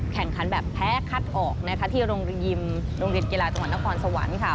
แข่งขันแบบแพ้คัดออกที่โรงยิมโรงเรียนกีฬาจังหวัดนครสวรรค์